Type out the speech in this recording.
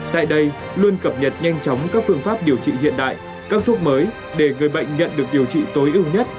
tại đây luôn cập nhật nhanh chóng các phương pháp điều trị hiện đại các thuốc mới để người bệnh nhận được điều trị tối ưu nhất